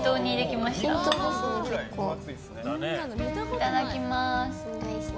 いただきます。